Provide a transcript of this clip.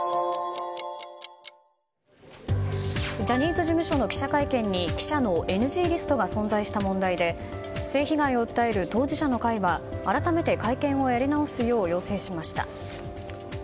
ジャニーズ事務所の記者会見に記者のＮＧリストが存在した問題で性被害を訴える当事者の会は改めて会見をやり直すよう要請しました。